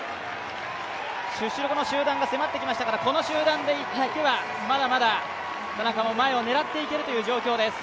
後ろの集団が迫ってきましたからこの集団によってはまだまだ田中も前を狙っていけるという状況です。